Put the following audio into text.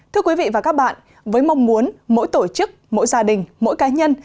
thưa quý vị và các bạn với mong muốn mỗi tổ chức mỗi gia đình mỗi cá nhân